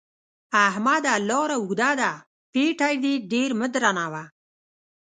احمده! لاره اوږده ده؛ پېټی دې ډېر مه درنوه.